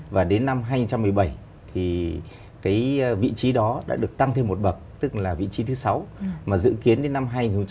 và đến năm hai nghìn một mươi bảy thì cái vị trí đó đã được tăng thêm một bậc tức là vị trí thứ sáu mà dự kiến đến năm hai nghìn hai mươi